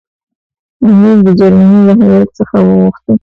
امیر د جرمني له هیات څخه وغوښتل.